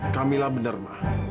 kamila benar ma